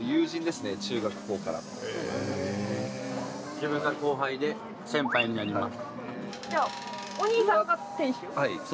自分が後輩で、先輩になります。